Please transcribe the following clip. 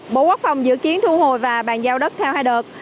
bộ quốc phòng dự kiến thu hồi và bàn giao đất theo hai đợt